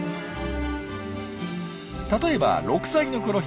例えば６歳のころ